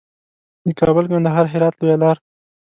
د کابل، کندهار، هرات لویه لار.